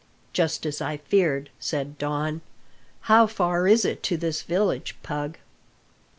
"Just as I feared," said Don. "How far is it to this village, Pug!"